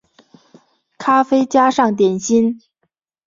咖啡加上点心